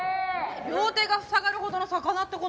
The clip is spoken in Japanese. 両手が塞がるほどの魚って事？